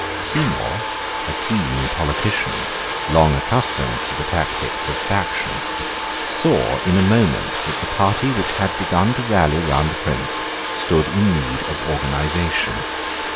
Seymour, a keen politician, long accustomed to the tactics of faction, saw in a moment that the party which had begun to rally round the Prince stood in need of organization.